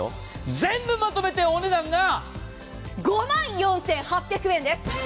全部まとめてお値段が５万４８００円です。